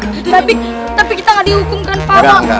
tapi kita gak dihukum kan pak